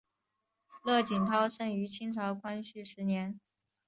乐景涛生于清朝光绪十年。